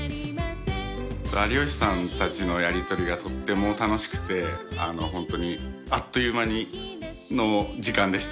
有吉さんたちのやりとりがとっても楽しくてホントにあっという間の時間でした。